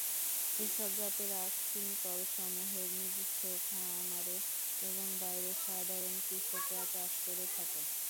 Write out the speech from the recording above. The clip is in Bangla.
এসব জাতের আখ চিনিকলসমূহের নিজস্ব খামারে এবং বাইরেও সাধারণ কৃষকরা চাষ করে থাকে।